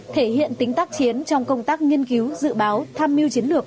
thể hiện tính tác chiến trong công tác nghiên cứu dự báo tham mưu chiến lược